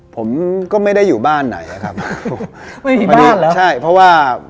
ผมก็ไม่ได้อยู่บ้านไหนอะครับไม่ได้อยู่บ้านหรอใช่เพราะว่า